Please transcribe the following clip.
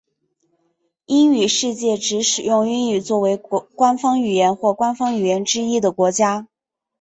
英语世界指使用英语作为官方语言或官方语言之一的国家。